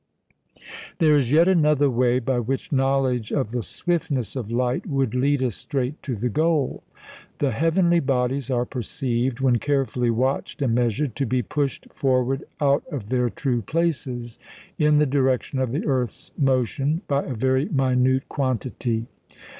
There is yet another way by which knowledge of the swiftness of light would lead us straight to the goal. The heavenly bodies are perceived, when carefully watched and measured, to be pushed forward out of their true places, in the direction of the earth's motion, by a very minute quantity.